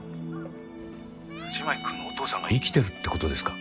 藤巻君のお父さんが生きてるってことですか？